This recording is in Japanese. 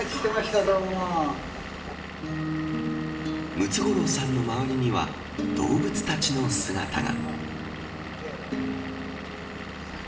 ムツゴロウさんの周りには動物たちの姿が。